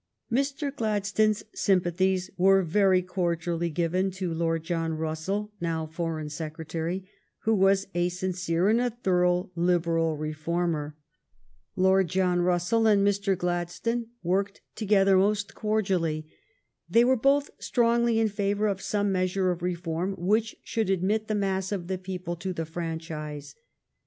Mr. Gladstone's sympathies were very cordially given to Lord John Russell, now For eign Secretary, who was a sincere and a thorough Liberal reformer. Lord John Russell and Mr. 246 THE STORY OF GLADSTONE'S LIFE Gladstone worked together most cordially. They were both strongly in favor of some measure of reform which should admit the mass of the people to the franchise.